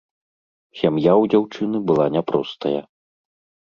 Сям'я ў дзяўчыны была няпростая.